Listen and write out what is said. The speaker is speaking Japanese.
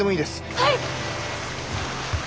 はい！